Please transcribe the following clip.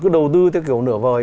đầu tư theo kiểu nửa vời